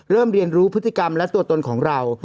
เรียนรู้พฤติกรรมและตัวตนของเรา